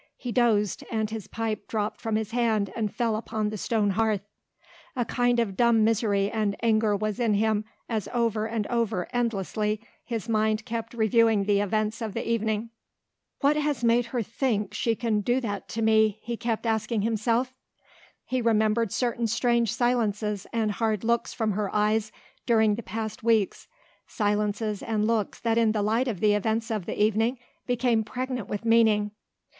He dozed and his pipe dropped from his hand and fell upon the stone hearth. A kind of dumb misery and anger was in him as over and over endlessly his mind kept reviewing the events of the evening. "What has made her think she can do that to me?" he kept asking himself. He remembered certain strange silences and hard looks from her eyes during the past weeks, silences and looks that in the light of the events of the evening became pregnant with meaning.